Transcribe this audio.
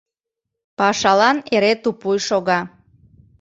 Пашалан эре тупуй шога.